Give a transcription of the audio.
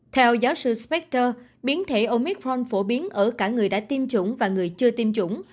theo giáo sư spactor biến thể omitron phổ biến ở cả người đã tiêm chủng và người chưa tiêm chủng